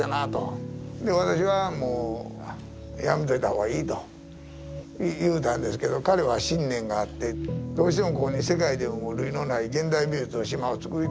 で私はもうやめといた方がいいと言うたんですけど彼は信念があってどうしてもここに世界でも類のない現代美術の島をつくりたいと。